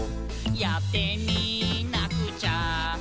「やってみなくちゃ」